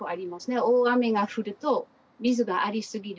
大雨が降ると水がありすぎる。